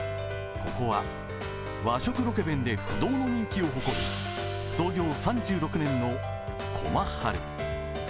ここは和食ロケ弁で不動の人気を誇る創業３６年の駒春。